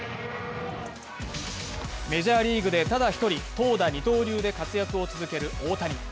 メジャーリーグでただ一人、投打二刀流で活躍を続ける大谷。